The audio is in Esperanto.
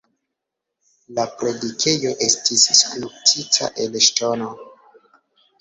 La predikejo estis skulptita el ŝtono.